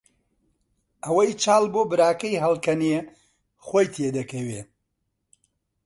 ئەوەی چاڵ بۆ براکەی هەڵکەنێ خۆی تێی دەکەوێ !